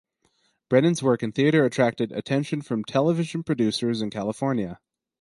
Brennan's work in theatre attracted attention from television producers in California.